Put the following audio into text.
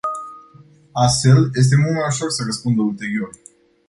Astfel este mult mai ușor să răspundă ulterior.